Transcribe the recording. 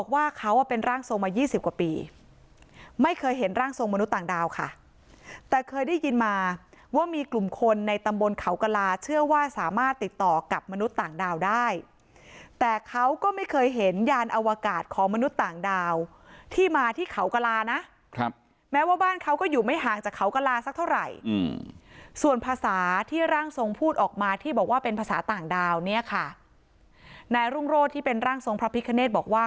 ว่าเขาเป็นร่างทรงมายี่สิบกว่าปีไม่เคยเห็นร่างทรงมนุษย์ต่างดาวค่ะแต่เคยได้ยินมาว่ามีกลุ่มคนในตำบนเขากะลาเชื่อว่าสามารถติดต่อกับมนุษย์ต่างดาวได้แต่เขาก็ไม่เคยเห็นยานอวกาศของมนุษย์ต่างดาวที่มาที่เขากะลานะครับแม้ว่าบ้านเขาก็อยู่ไม่ห่างจากเขากะลาสักเท่าไหร่อืมส่วนภาษา